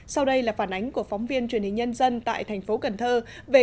sau đây là phản ánh của phóng viên truyền hình nhân dân tại thành phố cần thơ